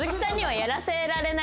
やらせらんない？